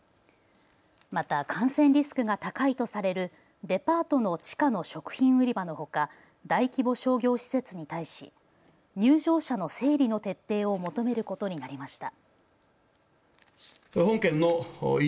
また感染リスクが高いとされるデパートの地下の食品売り場のほか大規模商業施設に対し入場者の整理の徹底を求めることになりました。